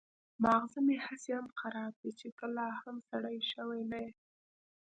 ماغزه مې هسې هم خراب دي چې ته لا هم سړی شوی نه يې.